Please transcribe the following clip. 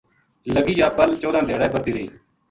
لگی یاہ پل چودہ دھیارہ برہتی رہی